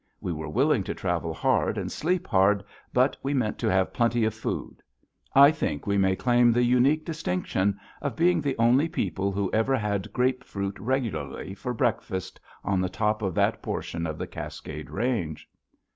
We were willing to travel hard and sleep hard. But we meant to have plenty of food. I think we may claim the unique distinction of being the only people who ever had grapefruit regularly for breakfast on the top of that portion of the Cascade Range.